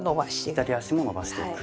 左足も伸ばしていく。